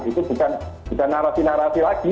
itu bukan narasi narasi lagi